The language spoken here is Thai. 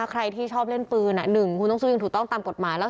ถ้าใครที่ชอบเล่นปืนหนึ่งคุณต้องสู้ยิงถูกต้องตามกฎหมายแล้ว